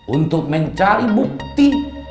untuk mencari bukti